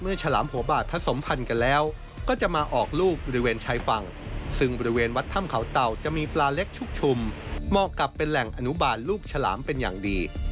เมื่อฉลามหัวบาดผสมพันธุ์กันแล้ว